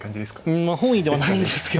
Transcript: うんまあ本意ではないんですけど。